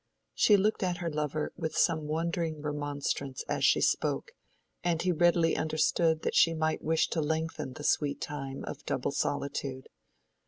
She looked at her lover with some wondering remonstrance as she spoke, and he readily understood that she might wish to lengthen the sweet time of double solitude.